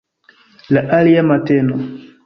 La alia mateno.